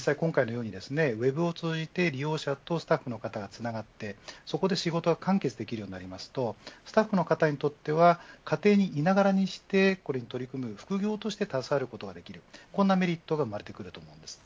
ウェブを通じて利用者とスタッフの方がつながって仕事が完結できるようになるとスタッフの方にとっては家庭にいながらにしてこれに取り組み副業として携わることができるこんなメリットが出てきます。